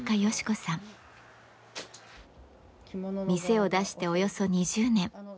店を出しておよそ２０年。